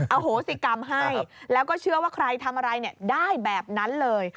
โหสิกรรมให้แล้วก็เชื่อว่าใครทำอะไรได้แบบนั้นเลย